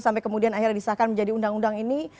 sampai kemudian akhirnya disahkan menjadi undang undang ini